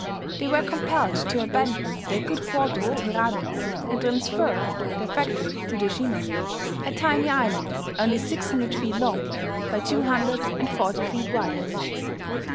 They were compelled to abandon their good quarters at Hirado, and transfer their factory to Deshima, a tiny island only six hundred feet long, by two hundred and forty feet wide.